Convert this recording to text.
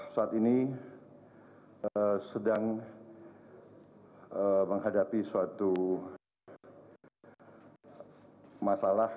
saat ini sedang menghadapi suatu masalah